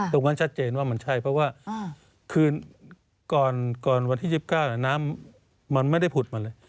ชัดเจนว่ามันใช่เพราะว่าคือก่อนวันที่๒๙น้ำมันไม่ได้ผุดมาเลย